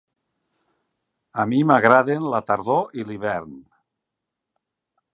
A mi m'agraden la tardor i l'hivern.